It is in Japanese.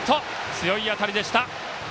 強い当たりでした。